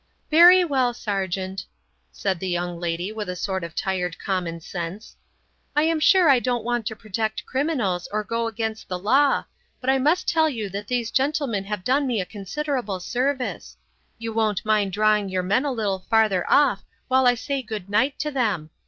"Very well, sergeant," said the young lady, with a sort of tired common sense. "I am sure I don't want to protect criminals or go against the law; but I must tell you that these gentlemen have done me a considerable service; you won't mind drawing your men a little farther off while I say good night to them.